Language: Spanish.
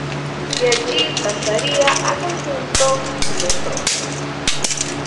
De allí pasaría a conjunto "Leproso".